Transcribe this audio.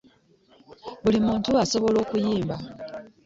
Buli muntu asoboola okuyimba.